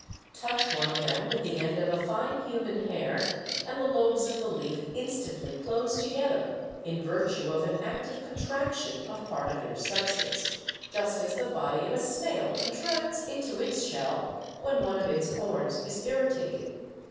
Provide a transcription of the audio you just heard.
Touch one of them with the end of a fine human hair and the lobes of the leaf instantly close together in virtue of an act of contraction of part of their substance, just as the body of a snail contracts into its shell when one of its 'horns' is irritated.